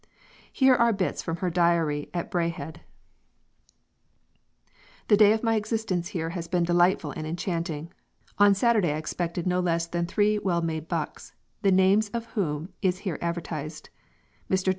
Here are bits from her Diary at Braehead: "The day of my existence here has been delightful and enchanting. On Saturday I expected no less than three well made Bucks the names of whom is here advertised. Mr. Geo.